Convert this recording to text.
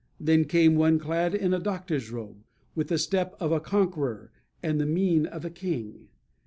Then came one clad in a doctor's robe, with the step of a conqueror and the mien of a king.